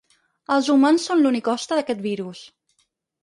Els humans són l’únic hoste d’aquest virus.